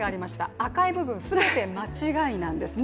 赤い部分、全て間違いなんですね。